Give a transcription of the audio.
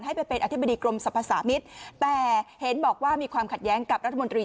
ให้ไปเป็นอธิบดีกรมสรรพสามิตรแต่เห็นบอกว่ามีความขัดแย้งกับรัฐมนตรี